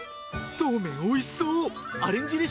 そうめん美味しそう。